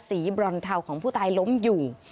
บรอนเทาของผู้ตายล้มอยู่